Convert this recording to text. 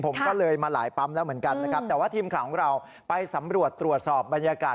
ผมก็เลยมาหลายปั๊มแล้วเหมือนกันนะครับแต่ว่าทีมข่าวของเราไปสำรวจตรวจสอบบรรยากาศ